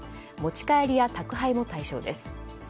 持ち帰りや宅配も対象です。